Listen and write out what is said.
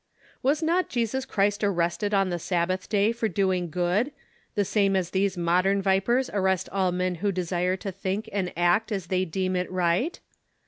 Was not Jesus Christ arrested on the Sabbath day for doing good, the same as these modern vipers arrest all men who desire to think and act as they deem it right